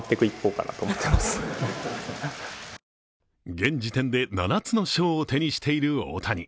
現時点で７つの賞を手にしている大谷。